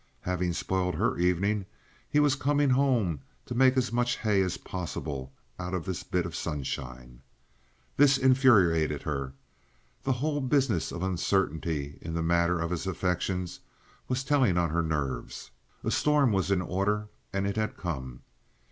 Having spoiled her evening, he was coming home to make as much hay as possible out of this bit of sunshine. This infuriated her. The whole business of uncertainty in the matter of his affections was telling on her nerves. A storm was in order, and it had come.